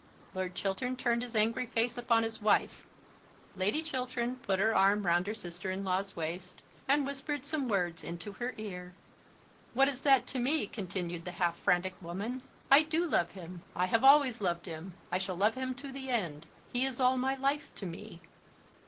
Lord Chiltern turned his angry face upon his wife. Lady Chiltern put her arm round her sister in law's waist, and whispered some words into her ear. "What is that to me?" continued the half frantic woman. "I do love him. I have always loved him. I shall love him to the end. He is all my life to me."